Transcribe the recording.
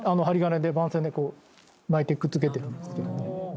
針金で番線でこう巻いてくっつけてるんですけどね。